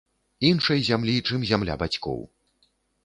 Іншай зямлі, чым зямля бацькоў.